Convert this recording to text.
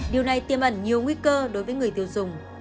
điều này tiêm ẩn nhiều nguy cơ đối với người tiêu dùng